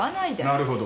なるほど。